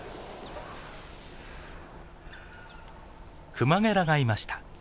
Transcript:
クマゲラがいました。